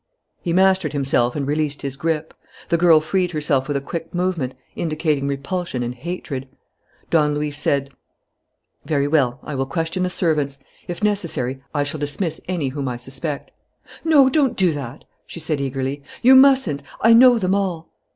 He mastered himself and released his grip. The girl freed herself with a quick movement, indicating repulsion and hatred. Don Luis said: "Very well. I will question the servants. If necessary I shall dismiss any whom I suspect." "No, don't do that," she said eagerly. "You mustn't. I know them all."